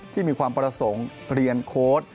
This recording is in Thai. ที่มีความประสงค์เรียนโค้ด